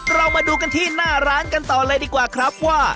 เรามาดูกันที่หน้าร้านกันต่อเลยดีกว่าครับว่า